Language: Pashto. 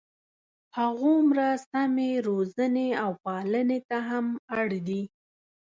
هغومره سمې روزنې او پالنې ته هم اړ دي.